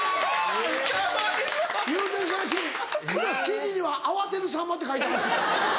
記事には「慌てるさんま」って書いてある。